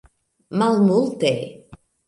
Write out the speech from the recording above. Malmulte